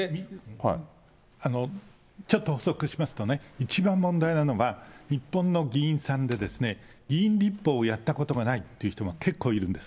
ちょっと補足しますとね、一番問題なのは、日本の議員さんでですね、議員立法をやったことがないという人が結構いるんです。